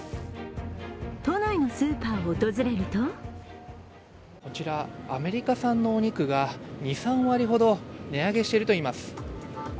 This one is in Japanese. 都内のスーパーを訪れるとこちら、アメリカ産のお肉が２３割ほど値上げしているといいます。